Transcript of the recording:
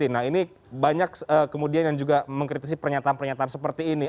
nah ini banyak kemudian yang juga mengkritisi pernyataan pernyataan seperti ini